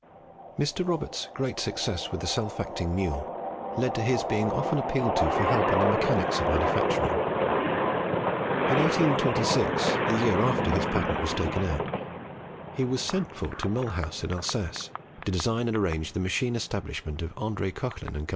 Mr. Roberts's great success with the self acting mule led to his being often appealed to for help in the mechanics of manufacturing. In 1826, the year after his patent was taken out, he was sent for to Mulhouse, in Alsace, to design and arrange the machine establishment of Andre Koechlin and Co.